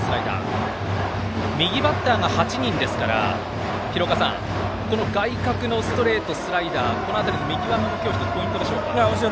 右バッターが８人ですから外角のストレート、スライダー見極めも今日ポイントでしょうか。